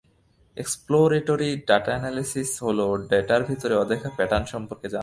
Exploratory data analysis হলো ডেটার ভেতরের অদেখা প্যাটার্ন সম্পর্কে জানা।